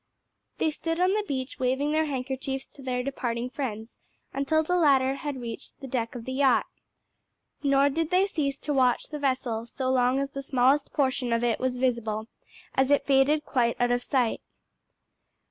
They stood on the beach, waving their handkerchiefs to their departing friends until the latter had reached the deck of the yacht. Nor did they cease to watch the vessel so long as the smallest portion of it was visible, as it faded quite out of sight.